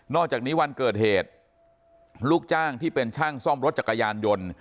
อกจากนี้วันเกิดเหตุลูกจ้างที่เป็นช่างซ่อมรถจักรยานยนต์